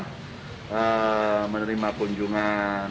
dan menerima kunjungan